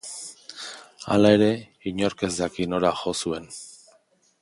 Hala ere, inork ez daki nora jo zuen.